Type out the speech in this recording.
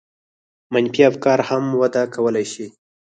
منفي افکار هم وده کولای شي.